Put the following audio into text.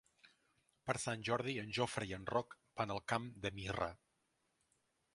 Per Sant Jordi en Jofre i en Roc van al Camp de Mirra.